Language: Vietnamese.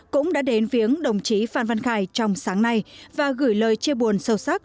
cũng đã đến viếng đồng chí phan văn khải trong sáng nay và gửi lời chia buồn sâu sắc